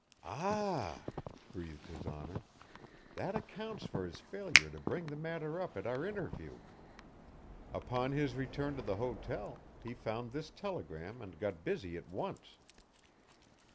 "Ah h h!" breathed His Honour. "That accounts for his failure to bring the matter up at our interview. Upon his return to the hotel he found this telegram and got busy at once.